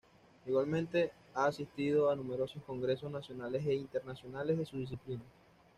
Igualmente ha asistido a numerosos congresos nacionales e internacionales de su disciplina.